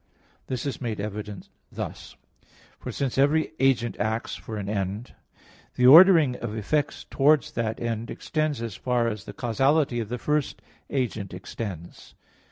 This is made evident thus. For since every agent acts for an end, the ordering of effects towards that end extends as far as the causality of the first agent extends.